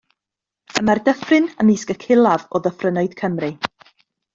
Y mae'r dyffryn ymysg y culaf o ddyffrynnoedd Cymru.